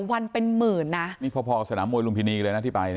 วันเป็นหมื่นนะนี่พอสนามมวยลุมพินีเลยนะที่ไป